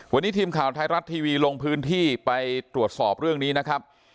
วันนี้ทีมข่าวไทยรัฐทีวีลงพื้นที่ไปตรวจสอบเรื่องนี้นะครับ